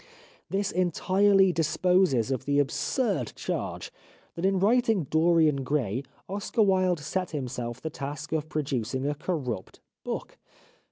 This entirely disposes of the absurd charge that in writing " Dorian Gray " Oscar Wilde set himself the task of producing a corrupt book.